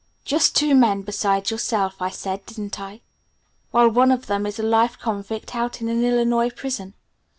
"Just two men besides yourself, I said, didn't I? Well one of them is a life convict out in an Illinois prison.